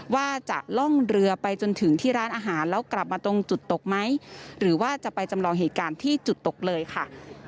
ว่าจะล่องเรือไปจนถึงที่ร้านอาหารแล้วกลับมาตรงจุดตกไหมหรือว่าจะไปจำลองเหตุการณ์ที่จุดตกเลยค่ะ